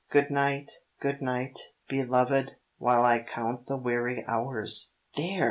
Good night, good night, beloved, While I count the weary hours." "There!